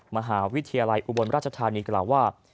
มหาวิทยาลัยอุบลราชธานีกล่าวว่า